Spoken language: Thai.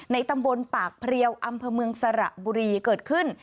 ตำบลปากเพลียวอำเภอเมืองสระบุรีเกิดขึ้น